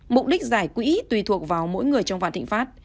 mục đích giải quỹ tùy thuộc vào mỗi người trong vạn thịnh pháp